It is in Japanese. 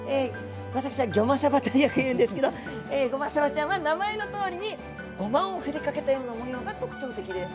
私はギョまさばとよく言うんですけどゴマサバちゃんは名前のとおりにゴマをふりかけたような模様が特徴的です。